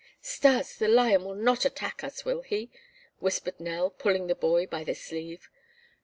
"Stas, the lion will not attack us, will he?" whispered Nell, pulling the boy by the sleeve.